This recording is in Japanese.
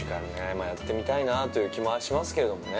ま、やってみたいなという気もしますけれどもね。